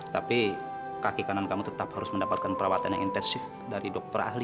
tapi kaki kanan kamu tetap harus mendapatkan perawatan yang intensif dari dokter ahli